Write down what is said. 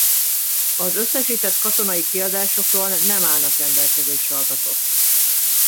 Az összesített katonai kiadásokról nem állnak rendelkezésre adatok.